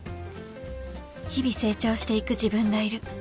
［日々成長していく自分がいる］